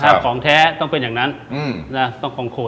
สปาเกตตี้ปลาทู